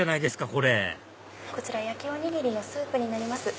これこちら焼きおにぎりのスープになります。